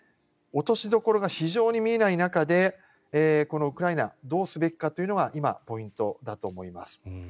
落としどころが非常に見えない中でこのウクライナどうすべきかというのが今、ポイントだと思います。